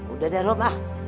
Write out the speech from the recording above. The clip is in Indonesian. udah deh rom ah